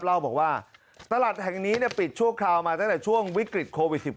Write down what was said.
เล่าบอกว่าตลาดแห่งนี้ปิดชั่วคราวมาตั้งแต่ช่วงวิกฤตโควิด๑๙